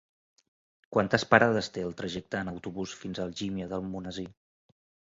Quantes parades té el trajecte en autobús fins a Algímia d'Almonesir?